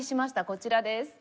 こちらです。